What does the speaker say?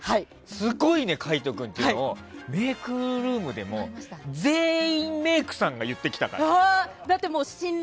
すごいね、海人君っていうのをメイクルームでも全員メイクさんが言ってきたから。